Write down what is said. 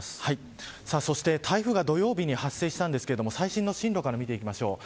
そして台風が土曜日に発生したんですが最新の進路から見ていきましょう。